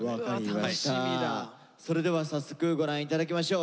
それでは早速ご覧頂きましょう。